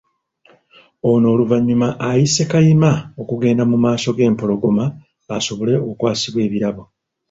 Ono oluvannyuma ayise Kayima okugenda mu maaso g'Empologoma asobole okukwasibwa ebirabo.